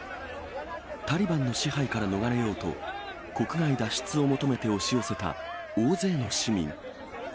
タリバンの支配から逃れようと、国外脱出を求めて押し寄せた大勢の市民。